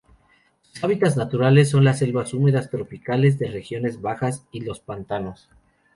Sus hábitats naturales son las selvas húmedas tropicales de regiones bajas y los pantanos.